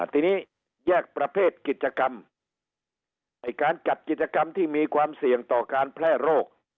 ทีนี้แยกประเภทกิจกรรมไอ้การจัดกิจกรรมที่มีความเสี่ยงต่อการแพร่โรค